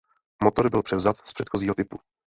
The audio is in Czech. Motor byl převzat z předchozího typu.